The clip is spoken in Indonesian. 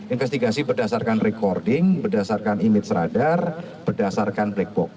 investigasi berdasarkan recording berdasarkan image radar berdasarkan black box